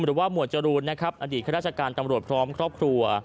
หมวดจรูนนะครับอดีตข้าราชการตำรวจพร้อมครอบครัว